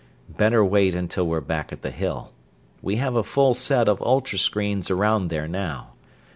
Better wait until we're back at the Hill. We have a full set of ultra screens around there now.